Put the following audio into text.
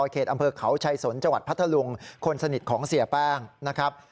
เขตอำเภอเขาชัยสนจังหวัดพัทธลุงคนสนิทของเสียแป้งนะครับ